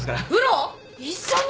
一緒に？